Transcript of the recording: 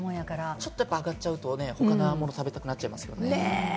ちょっと上がっちゃうと他のものを食べたくなっちゃいますよね。